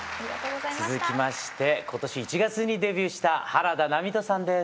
続きまして今年１月にデビューした原田波人さんです。